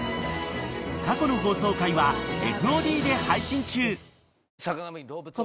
［過去の放送回はＦＯＤで配信中］